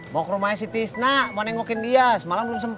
mau ke rumahnya si tisna mau nengokin dia semalam belum sempat